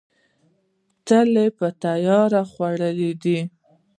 تل یې په تیاره خوړلې ده.